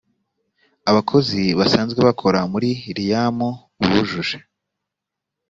abakozi basanzwe bakora muri riam bujuje